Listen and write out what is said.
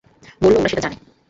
বলল, ওরা সেটা জানে।